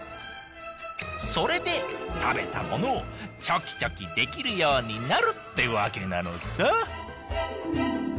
それでたべたものをチョキチョキできるようになるってわけなのさ！